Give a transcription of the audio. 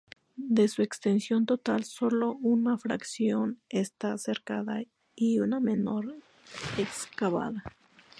De su extensión total sólo una fracción está cercada y una menor excavada.